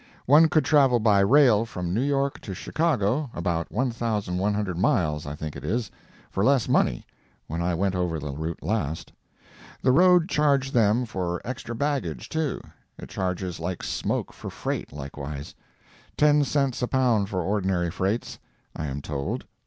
One could travel by rail from New York to Chicago—about 1,100 miles, I think it is—for less money, when I went over the route last. The road charged them for extra baggage, too. It charges like smoke for freight, likewise. Ten cents a pound for ordinary freights, I am told.